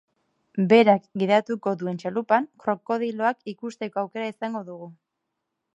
Berak gidatuko duen txalupan, krokodiloak ikusteko aukera izango dugu.